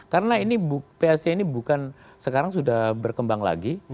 karena ini psc ini bukan sekarang sudah berkembang lagi